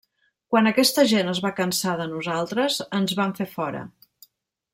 Quan aquesta gent es va cansar de nosaltres, ens van fer fora.